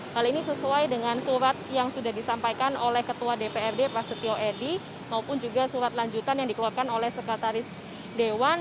hal ini sesuai dengan surat yang sudah disampaikan oleh ketua dprd prasetyo edy maupun juga surat lanjutan yang dikeluarkan oleh sekretaris dewan